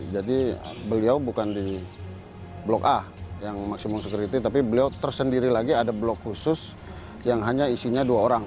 jadi beliau bukan di blok a yang maximum security tapi beliau tersendiri lagi ada blok khusus yang hanya isinya dua orang